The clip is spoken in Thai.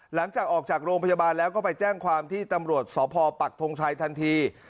หลังจากออกจากโรงพยาบาลแล้วก็ไปแจ้งความที่ตำรวจสพปักทงชัยทันที